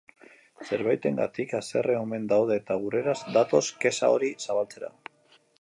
Zerbaitengatik haserre omen daude eta gurera datoz kexa hori zabaltzera!